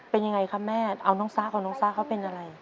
เป็นยังไงค่ะแม่อ่อน้องซ้ากก็อะไร